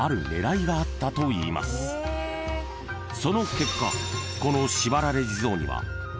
［その結果このしばられ地蔵には］